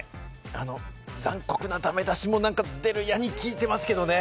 残酷な駄目出しも出ると聞いていますけれどもね。